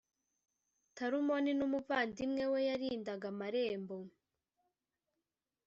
talumoni numuvandimwe we yarindaga amarembo